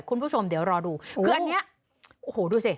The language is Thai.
คุณผู้ชมเดี๋ยวรอดูคืออันนี้โอ้โหดูสิ